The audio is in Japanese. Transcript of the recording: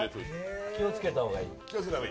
気をつけたほうがいい。